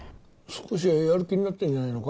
少しはやる気になってるんじゃないのか？